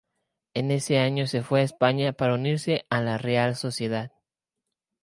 En ese año se fue a España para unirse a la Real Sociedad.